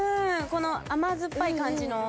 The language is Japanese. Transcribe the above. この甘酸っぱい感じの。